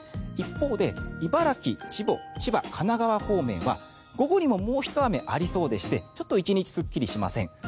一方で茨城、千葉、神奈川方面は午後にももうひと雨ありそうでしてちょっと１日すっきりしません。